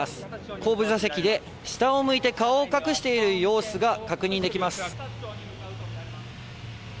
後部座席で下を向いて、顔を隠している様子が確認できます。